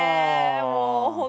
もう本当に。